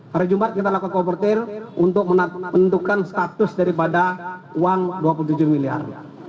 hari jumat kita lakukan komportir untuk menentukan status daripada uang dua puluh tujuh miliar